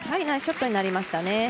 ナイスショットになりました。